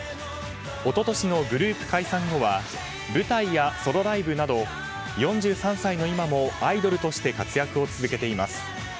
一昨年のグループ解散後は舞台やソロライブなど４３歳の今もアイドルとして活躍を続けています。